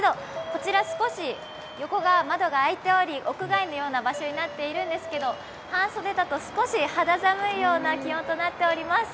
こちら、少し横の窓が開いており屋外のような場所になっているんですけど半袖だと少し肌寒いような気温になっています。